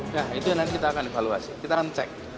nah itu yang nanti kita akan evaluasi kita akan cek